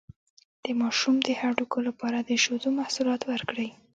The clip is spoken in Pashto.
د ماشوم د هډوکو لپاره د شیدو محصولات ورکړئ